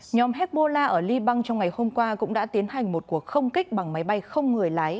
nhóm hezbollah ở liban trong ngày hôm qua cũng đã tiến hành một cuộc không kích bằng máy bay không người lái